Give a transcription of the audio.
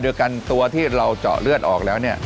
เดี๋ยวกันตัวที่เราเจาะเลือดออกแล้ว